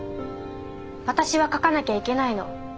私は描かなきゃいけないの！